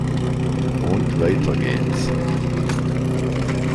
Und weiter geht's!